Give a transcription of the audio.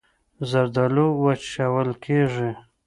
زردالو وچول کېږي.